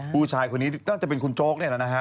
ผู้ชายคนนี้น่าจะเป็นคุณโจ๊กนี่แหละนะฮะ